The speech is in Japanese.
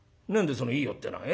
その『いいよ』ってのは。